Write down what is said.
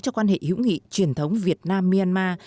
cho quan hệ hữu nghị truyền thống việt nam myanmar